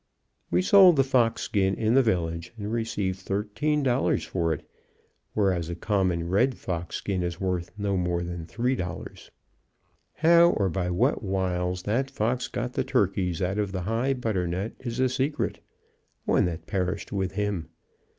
We sold the fox skin in the village, and received thirteen dollars for it, whereas a common red fox skin is worth no more than three dollars. How, or by what wiles that fox got the turkeys out of the high butternut, is a secret one that perished with him.